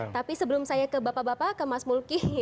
tapi sebelum saya ke bapak bapak ke mas mulki